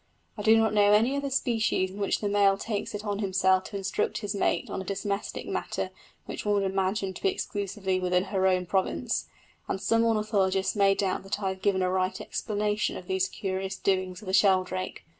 I do not know any other species in which the male takes it on himself to instruct his mate on a domestic matter which one would imagine to be exclusively within her own province; and some ornithologists may doubt that I have given a right explanation of these curious doings of the sheldrake.